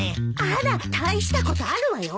あら大したことあるわよ。